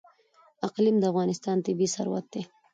اقلیم د افغانستان طبعي ثروت دی.